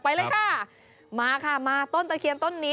ไปเลยค่ะมาค่ะมาต้นตะเคียนต้นนี้